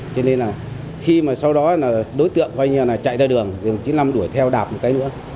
cho nên là khi mà sau đó là đối tượng coi như là chạy ra đường thì đồng chí năm đuổi theo đạp một cái nữa